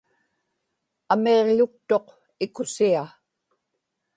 amiġḷuktuq ikusia